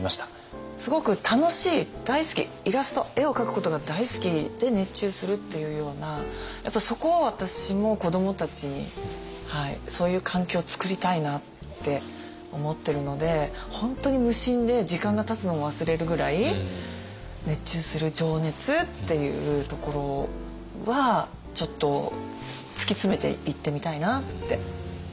すごく楽しい大好きイラスト絵を描くことが大好きで熱中するっていうようなやっぱそこを私も子どもたちにそういう環境をつくりたいなって思ってるので本当に無心で時間がたつのも忘れるぐらい熱中する情熱っていうところはちょっと突き詰めていってみたいなって思いました。